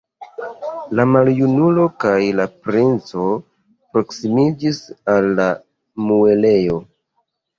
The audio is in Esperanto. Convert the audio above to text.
La maljunulo kaj la princo proksimiĝis al la muelejo.